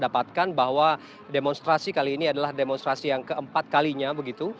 saat ini di jakarta sudah terbuka keremehan agar